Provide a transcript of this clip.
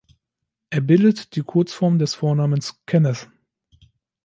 Er bildet die Kurzform des Vornamens Kenneth.